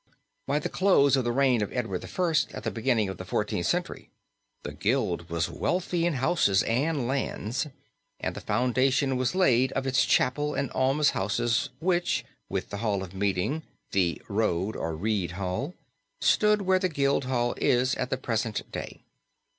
By the close of the reign of Edward I., at the beginning of the Fourteenth Century, the Guild was wealthy in houses and lands, and the foundation was laid of its chapel and almshouses which, with the hall of meeting the "Rode or Reed Hall" stood where the Guild Hall is at the present day.